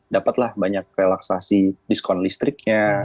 dapatlah banyak relaksasi diskon listriknya